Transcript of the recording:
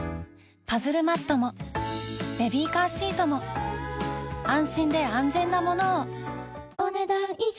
パズルマットもベビーカーシートも安心で安全なものをお、ねだん以上。